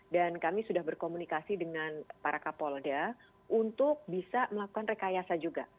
dan kami sudah berkomunikasi dengan para kapolda untuk bisa melakukan rekayasa juga